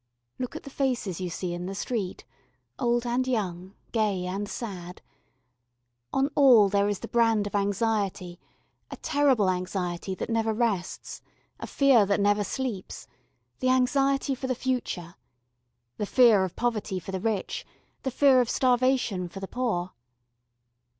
Look at the faces you see in the street old and young, gay and sad on all there is the brand of anxiety, a terrible anxiety that never rests, a fear that never sleeps, the anxiety for the future: the fear of poverty for the rich, the fear of starvation for the poor.